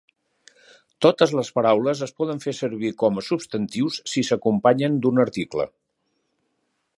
Totes les paraules es poden fer servir com a substantius si s'acompanyen d'un article.